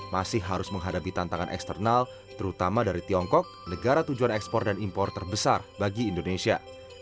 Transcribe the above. masih harus menghadapi tantangan eksternal terutama dari tiongkok negara tujuan ekspor dan impor terbesar bagi indonesia